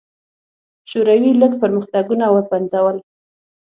شوروي لړ پرمختګونه وپنځول.